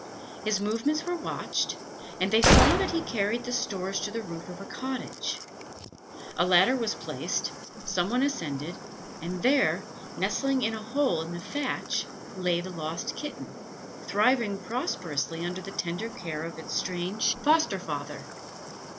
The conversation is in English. His movements were watched, and they saw that he carried the stores to the roof of a cottage. A ladder was placed, some one ascended, and there, nestling in a hole in the thatch, lay the lost kitten, thriving prosperously under the tender care of its strange foster father.